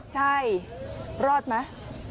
ใช่รอดไหม